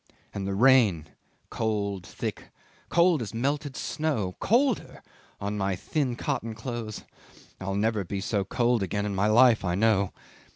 And the rain cold, thick, cold as melted snow colder on my thin cotton clothes I'll never be so cold again in my life, I know.